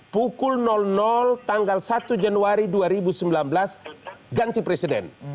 pukul tanggal satu januari dua ribu sembilan belas ganti presiden